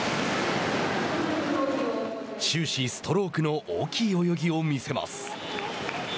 終始、ストロークの大きい泳ぎを見せます。